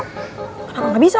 kenapa gak bisa